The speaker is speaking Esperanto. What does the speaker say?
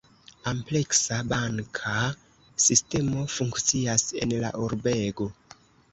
Ampleksa banka sistemo funkcias en la urbego.